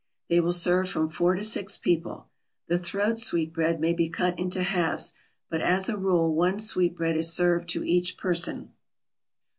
They will serve from four to six people. The throat sweetbread may be cut into halves, but as a rule one sweetbread is served to each person.